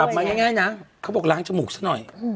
มาง่ายนะเขาบอกล้างจมูกซะหน่อย